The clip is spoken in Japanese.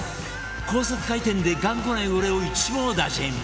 高速回転で頑固な汚れを一網打尽